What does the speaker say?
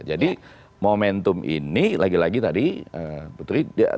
jadi momentum ini lagi lagi tadi betul ya